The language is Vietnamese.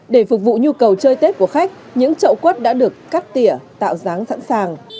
để phục vụ nhu cầu chơi tết của khách những trậu quất đã được cắt tỉa tạo dáng sẵn sàng